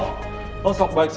gue gak boleh kebawa emosi